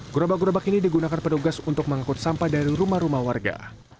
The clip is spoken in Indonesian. gerobak gerobak ini digunakan petugas untuk mengangkut sampah dari rumah rumah warga